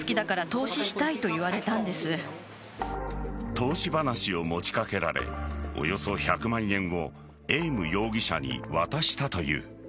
投資話を持ちかけられおよそ１００万円をエーム容疑者に渡したという。